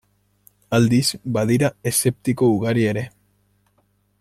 Aldiz, badira eszeptiko ugari ere.